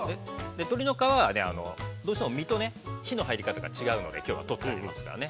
鶏の皮は、どうしても身と火の入り方が違うのできょうは取ってありますからね。